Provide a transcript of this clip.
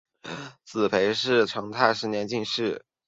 子裴栻是成泰十年进士。